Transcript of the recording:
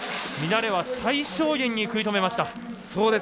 乱れは最小限に食い止めました。